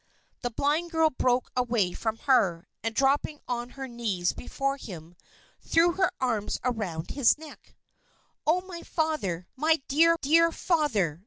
The blind girl broke away from her, and dropping on her knees before him, threw her arms around his neck. "Oh, my Father! My dear, dear Father!"